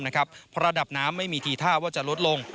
เพราะระดับน้ำไม่มีทีท่าว่าจะลดลง